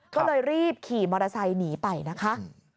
ก็เลยรีบขี่มอเตอร์ไซค์หนีไปนะคะ